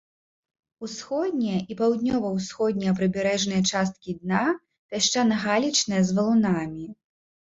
Усходняя і паўднёва-ўсходняя прыбярэжныя часткі дна пясчана-галечныя з валунамі.